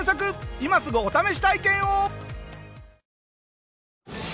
今すぐお試し体験を！